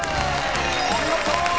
［お見事！］